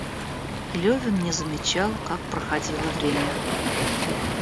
Левин не замечал, как проходило время.